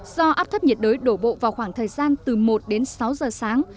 do áp thấp nhiệt đới đổ bộ vào khoảng thời gian từ một đến sáu giờ sáng